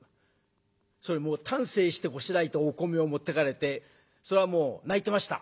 それも丹精してこしらえたお米を持っていかれてそれはもう泣いてました。